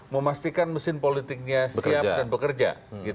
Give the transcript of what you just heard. memastikan mesin politiknya siap dan bekerja